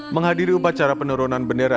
menghadiri upacara penurunan bendera